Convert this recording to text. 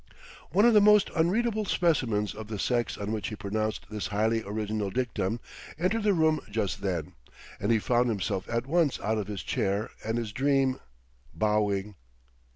One of the most unreadable specimens of the sex on which he pronounced this highly original dictum, entered the room just then; and he found himself at once out of his chair and his dream, bowing.